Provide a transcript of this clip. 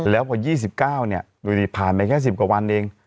แล้วพอ๒๙อยู่ดีผ่านไปแค่๑๐กว่าวันเอง